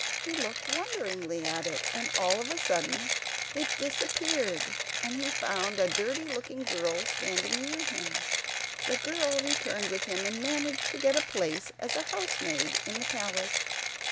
He looked wonderingly at it, and all of a sudden it disappeared and he found a dirty looking girl standing near him. The girl returned with him and managed to get a place as housemaid in the palace.